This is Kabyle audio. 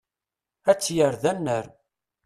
Ad tt-yerr d annar.